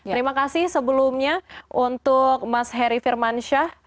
terima kasih sebelumnya untuk mas heri firmansyah